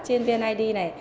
trên vneid này